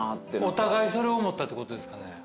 お互いそれ思ったってことですかね？